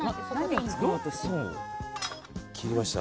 切りました。